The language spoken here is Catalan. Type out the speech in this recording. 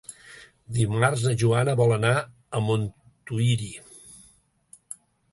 Dimarts na Joana vol anar a Montuïri.